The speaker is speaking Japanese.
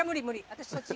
私そっち。